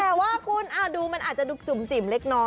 แต่ว่าคุณดูมันอาจจะดูจุ่มจิ่มเล็กน้อย